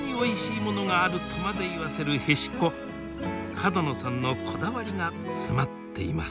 角野さんのこだわりが詰まっています。